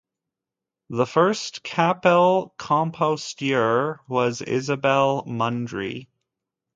The first "Capell-Compositeur" was Isabel Mundry.